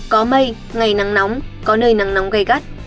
có mây ngày nắng nóng có nơi nắng nóng gây gắt